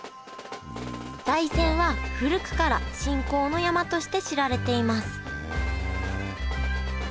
大山は古くから信仰の山として知られていますへえ！